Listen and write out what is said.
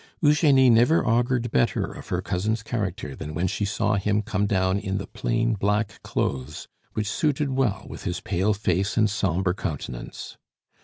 Eugenie never augured better of her cousin's character than when she saw him come down in the plain black clothes which suited well with his pale face and sombre countenance.